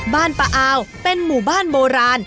ป้าอาวเป็นหมู่บ้านโบราณ